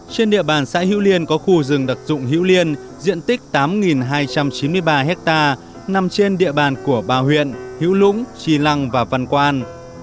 trên địa bàn xã hữu liên có khu rừng đặc dụng hữu liên diện tích tám hai trăm chín mươi ba hectare nằm trên địa bàn của ba huyện hữu lũng trì lăng và văn quan